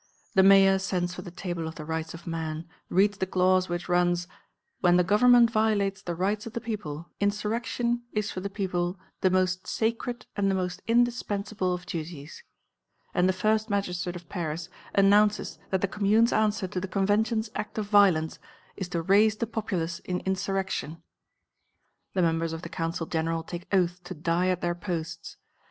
The Mayor sends for the Table of the Rights of Man, reads the clause which runs, "When the Government violates the Rights of the people, insurrection is for the people the most sacred and the most indispensable of duties," and the first magistrate of Paris announces that the Commune's answer to the Convention's act of violence is to raise the populace in insurrection. The members of the Council General take oath to die at their posts.